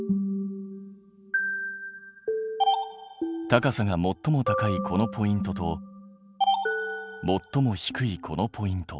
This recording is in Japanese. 高さがもっとも高いこのポイントともっとも低いこのポイント。